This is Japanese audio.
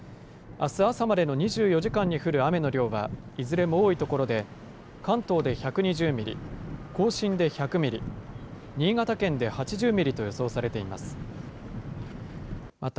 あす朝までの２４時間に降る雨の量は、いずれも多い所で、関東で１２０ミリ、甲信で１００ミリ、新潟県で８０ミリと予想されています。